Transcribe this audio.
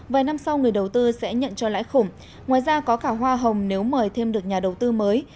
vài năm sau người đầu tư sẽ nhận cho lãi khủng ngoài ra có cả hoa hồng nếu mời thêm được nhà đầu tư mới